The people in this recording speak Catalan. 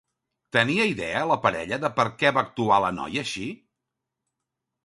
Tenia idea la parella de per què va actuar la noia així?